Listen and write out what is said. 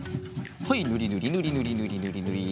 はいぬりぬりぬりぬりぬりぬりぬり。